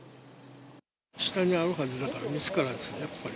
下にあるはずだから見つからないですよね、やっぱり。